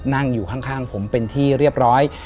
นั่งอยู่ข้างผมเป็นที่เรียบร้อย